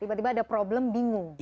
tiba tiba ada problem bingung